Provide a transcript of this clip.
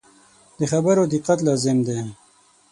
د خبرو دقت لازم دی.